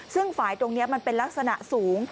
ซึ่งฝ่ายตรงนี้มันเป็นลักษณะสูง